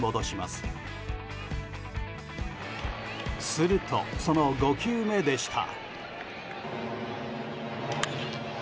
すると、その５球目でした。